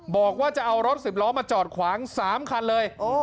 บอกว่าจะเอารถสิบล้อมาจอดขวาง๓คันเลย